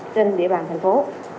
trên địa bàn thành phố